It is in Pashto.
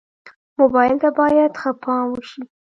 موبایل ته باید ښه پام وشي.